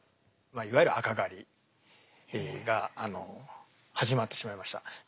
いわゆる「赤狩り」が始まってしまいました。